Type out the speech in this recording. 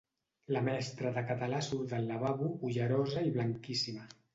La mestra de català surt del lavabo, ullerosa i blanquíssima.